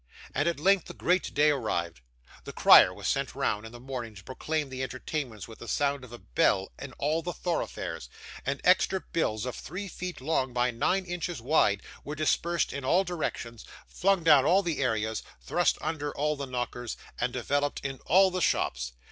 And at length the great day arrived. The crier was sent round, in the morning, to proclaim the entertainments with the sound of bell in all the thoroughfares; and extra bills of three feet long by nine inches wide, were dispersed in all directions, flung down all the areas, thrust under all the knockers, and developed in all the shops.